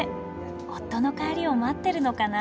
夫の帰りを待ってるのかな。